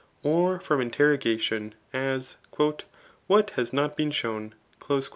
'' Or from interrogation; as, "What has not been shown ?"